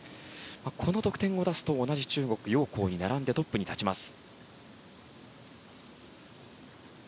この得点を出すと同じ中国のヨウ・コウに並んでトップに立ちます。